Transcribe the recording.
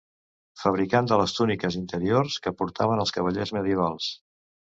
Fabricant de les túniques interiors que portaven els cavallers medievals.